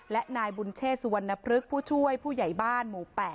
และนายบุญเชษสุวรรณพฤกษ์ผู้ช่วยผู้ใหญ่บ้านหมู่๘